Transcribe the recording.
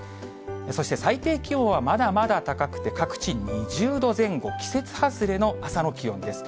そして最低気温はまだまだ高くて、各地２０度前後、季節外れの朝の気温です。